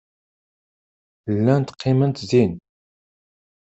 Llant qqiment din.